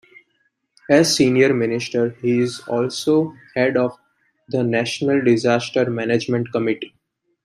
As Senior Minister he is also Head of the National Disaster Management Committee.